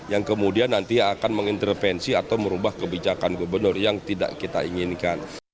yang kemudian nanti akan mengintervensi atau merubah kebijakan gubernur yang tidak kita inginkan